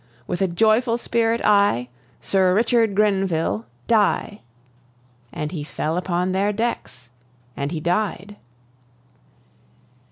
With a joyful spirit I, Sir Richard Grenville, die!" And he fell upon their decks, and he died.